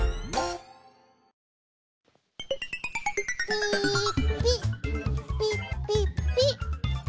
ピーッピッピッピッピッ！